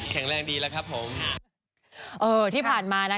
แข็งแรงดีแล้วครับผม